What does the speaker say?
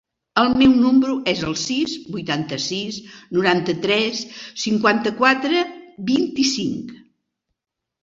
El meu número es el sis, vuitanta-sis, noranta-tres, cinquanta-quatre, vint-i-cinc.